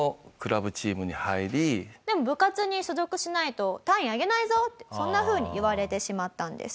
でも部活に所属しないと単位あげないぞってそんなふうに言われてしまったんです。